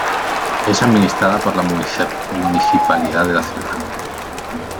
Es administrada por la Municipalidad de la ciudad.